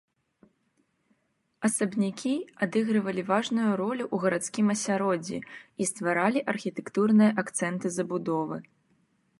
Асабнякі адыгрывалі важную ролю ў гарадскім асяроддзі і стваралі архітэктурныя акцэнты забудовы.